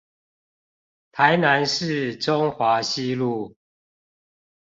台南市中華西路